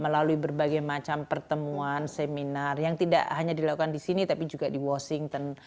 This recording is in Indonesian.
melalui berbagai macam pertemuan seminar yang tidak hanya dilakukan di sini tapi juga di washington